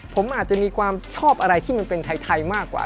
ผมอาจจะมีความชอบอะไรที่มันเป็นไทยมากกว่า